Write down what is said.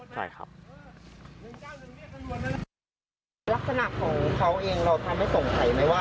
ลักษณะของเขาเองเราทำให้สงสัยไหมว่า